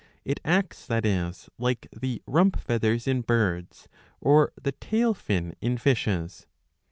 It acts, that is, like the rump feathers in birds, or the tail fin in fishes.